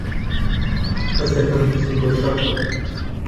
حەز دەکەم بچم بۆ ژاپۆن.